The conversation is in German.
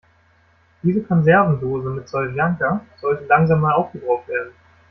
Diese Konservendose mit Soljanka sollte langsam mal aufgebraucht werden.